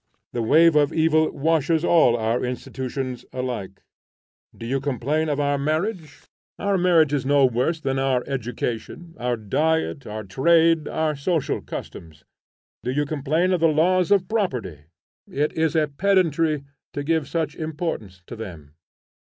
The wave of evil washes all our institutions alike. Do you complain of our Marriage? Our marriage is no worse than our education, our diet, our trade, our social customs. Do you complain of the laws of Property? It is a pedantry to give such importance to them.